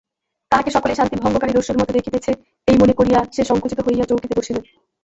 তাহাকে সকলেই শান্তিভঙ্গকারী দস্যুর মতো দেখিতেছে এই মনে করিয়া সে সংকুচিত হইয়া চৌকিতে বসিল।